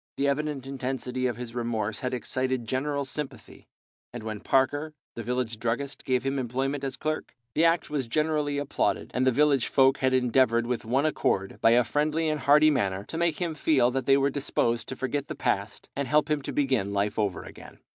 The evident intensity of his remorse had excited general sympathy, and when Parker, the village druggist, gave him employment as clerk, the act was generally applauded, and all the village folk had endeavoured with one accord, by a friendly and hearty manner, to make him feel that they were disposed to forget the past, and help him to begin life over again.